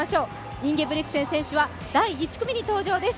インゲブリクセン選手は第１組登場です。